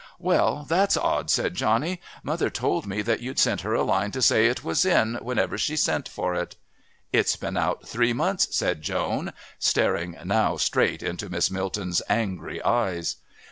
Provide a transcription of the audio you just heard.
"Well, that's odd," said Johnny. "Mother told me that you'd sent her a line to say it was in whenever she sent for it." "It's been out three months," said Joan, staring now straight into Miss Milton's angry eyes.